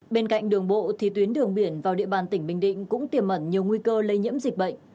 bên cạnh đường bộ thì tuyến đường biển vào địa bàn tỉnh bình định cũng tiềm mẩn nhiều nguy cơ lây nhiễm dịch bệnh